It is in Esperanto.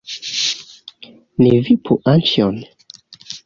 Ni vipu Anĉjon!